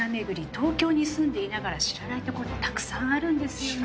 東京に住んでいながら知らないところたくさんあるんですよね。